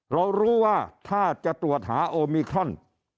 เรารู้ว่าถ้าจะตรวจหาโอมิครอน